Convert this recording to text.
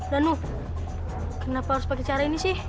danuh kenapa harus pakai cara ini sih